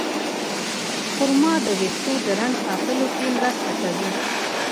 خرما د ویښتو د رنګ ساتلو کې مرسته کوي.